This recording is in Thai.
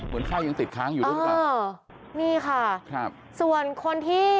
เหมือนไฟยังติดค้างอยู่ด้านข้างอ่านี่ค่ะครับส่วนคนที่